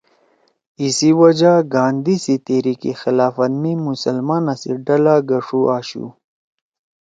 ایسی وجہ گاندھی سی تحریک خلافت می مسلمانا سی ڈلہ گݜُو آشُو